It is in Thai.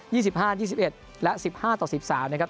ี่สิบห้ายี่สิบเอ็ดและสิบห้าต่อสิบสามนะครับ